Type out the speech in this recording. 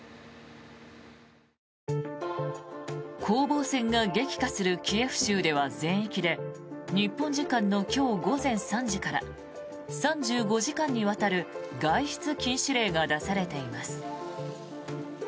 攻防戦が激化するキエフ州では全域で日本時間の今日午前３時から３５時間にわたる外出禁止令が出されています。